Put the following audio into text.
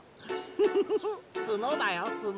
フフフフツノだよツノ。